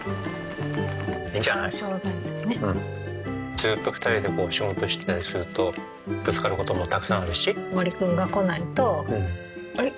ずっと２人で仕事してたりするとぶつかる事もたくさんあるし。